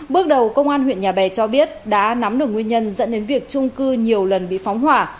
bước đầu công an huyện nhà bè cho biết đã nắm được nguyên nhân dẫn đến việc trung cư nhiều lần bị phóng hỏa